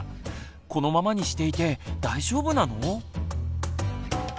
このままにしていて大丈夫なの？